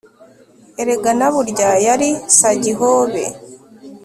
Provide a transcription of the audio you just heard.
Erega na burya yari Sagihobe